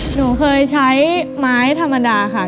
หนูเคยใช้ไม้ธรรมดาค่ะ